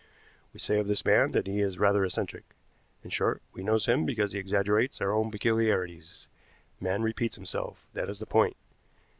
We say of this man that he is rather eccentric. In short, we notice him because he exaggerates our own peculiarities. Man repeats himself, that is the point.